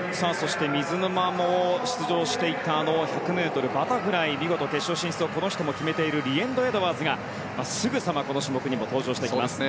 水沼も出場していた１００ｍバタフライで見事、決勝進出もこの人も決めているリエンド・エドワーズがすぐさまこの種目にも登場。